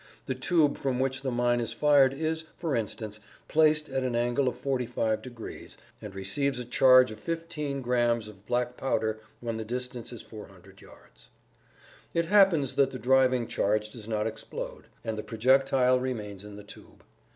The tube from which the mine is fired is, for instance, placed at an angle of 45 degrees, and receives a charge of fifteen grammes of black powder when the distance is 400 yards. It happens that the driving charge does not explode, and the projectile remains in the tube.